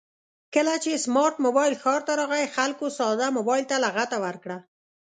کله چې سمارټ مبایل ښار ته راغی خلکو ساده مبایل ته لغته ورکړه